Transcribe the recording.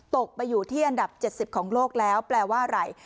ตกไปอยู่ที่อันดับ๗๐ของโลกแล้วแปลว่าอะไร